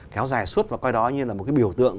kéo dài suốt và coi đó như là một cái biểu tượng